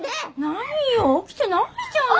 何よ起きてないじゃない。